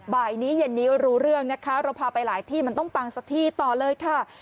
บ่ายนี้เย็นนี้รู้เรื่องนะคะเราพาไปหลายที่มันต้องปังสักที่ต่อเลยค่ะ